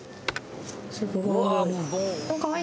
うわ。